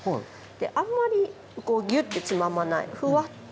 あんまりギュってつままないフワっと。